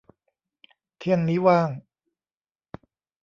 เที่ยงนี้ว่าง